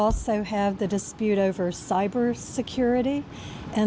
และมันเป็นความรวมขึ้นมา